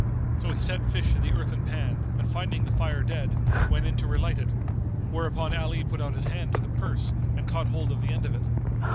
So he set fish in the earthen pan and finding the fire dead, went in to relight it; whereupon Ali put out his hand to the purse and caught hold of the end of it.